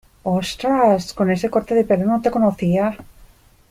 Ostras, con este corte de pelo no te conocía.